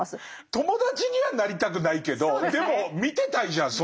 友達にはなりたくないけどでも見てたいじゃんそういう人。